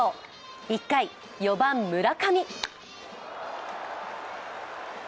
１回、４番村上。